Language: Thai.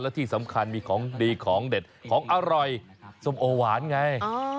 และที่สำคัญมีของดีของเด็ดของอร่อยส้มโอหวานไง